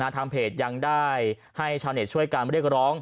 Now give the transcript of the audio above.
ทางเพจยังได้ให้ชาวเน็ตช่วยกันไม่ได้ร้อง